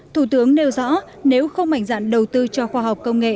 thủ tướng nêu rõ nếu không mạnh dạn đầu tư cho khoa học công nghệ